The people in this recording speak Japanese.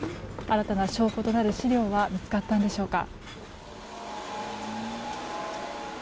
新たな証拠となる資料は見つかったんでしょうか。